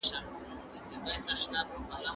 مادي ژبه د علم په رسولو کې خنډ نه وي.